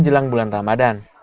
jelang bulan ramadhan